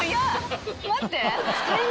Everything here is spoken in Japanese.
待って。